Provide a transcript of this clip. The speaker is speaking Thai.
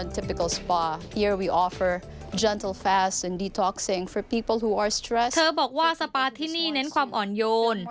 เธอบอกว่าสปาร์ที่นี่เน้นความอ่อนโยน